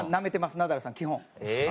ナダルさん基本。